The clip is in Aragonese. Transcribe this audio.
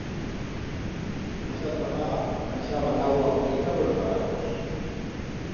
Dimpués d'a tronada, baixaba l'augua burenca por os barrancos.